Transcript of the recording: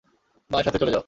মায়ের সাথে চলে যাও।